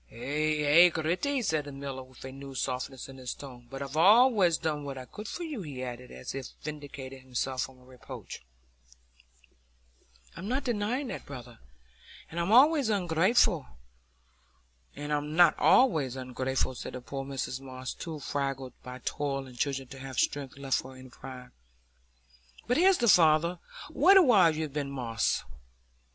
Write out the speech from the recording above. "Ay, ay, Gritty," said the miller, with a new softness in his tone; "but I've allays done what I could for you," he added, as if vindicating himself from a reproach. "I'm not denying that, brother, and I'm noways ungrateful," said poor Mrs Moss, too fagged by toil and children to have strength left for any pride. "But here's the father. What a while you've been, Moss!"